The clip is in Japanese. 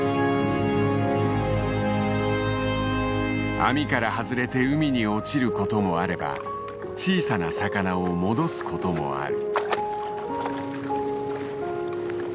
網から外れて海に落ちることもあれば小さな魚を戻すこともある。